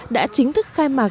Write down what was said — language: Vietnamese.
đã chính thức khai mạc